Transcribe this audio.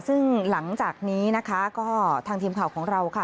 ซึ่งหลังจากนี้นะคะก็ทางทีมข่าวของเราค่ะ